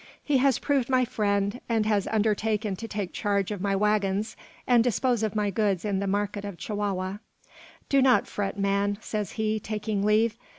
He has proved my friend; and has undertaken to take charge of my waggons, and dispose of my goods in the market of Chihuahua. "Do not fret, man," says he, taking leave.